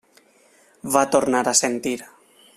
Va tornar a assentir.